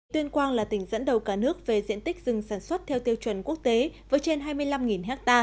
tuyên quang là tỉnh dẫn đầu cả nước về diện tích rừng sản xuất theo tiêu chuẩn quốc tế với trên hai mươi năm ha